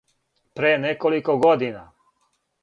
Пре неколико година?